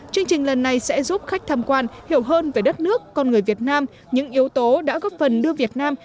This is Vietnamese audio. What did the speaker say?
chương trình lần này sẽ giúp khách tham quan hiểu hơn về đất nước con người việt nam những yếu tố đã góp phần đưa việt nam